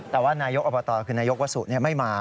แต่ว่านายกอบตคือนายกวัสสุไม่มา